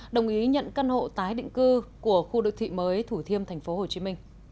đồng ý nhận căn hộ tái định cư của khu đô thị mới thủ thiêm tp hcm